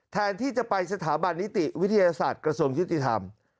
แทนที่จะไปสถาบันนิติวิทยาศาสตร์กระทรวงยุติธรรม